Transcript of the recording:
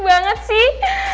baik banget sih